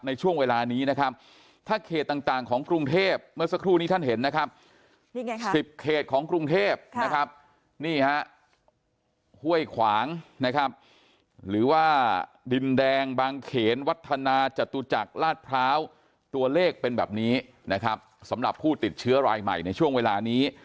ในช่วงเวลานี้นะครับถ้าเขตต่างของกรุงเทพเมื่อสักครู่นี้ท่านเห็นนะครับ๑๐เขตของกรุงเทพนะครับนี่ฮะห้วยขวางนะครับหรือว่าดินแดงบางเขนวัฒนาจตุจักรลาดพร้าวตัวเลขเป็นแบบนี้นะครับสำหรับผู้ติดเชื้อรายใหม่ในช่วงเวลานี้